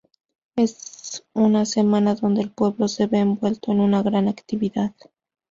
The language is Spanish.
Es una semana donde el pueblo se ve envuelto en una gran actividad.